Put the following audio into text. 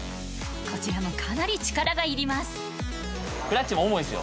こちらもかなり力がいります